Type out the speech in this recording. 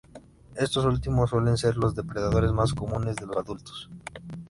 Estos últimos suelen ser los depredadores más comunes de los adultos.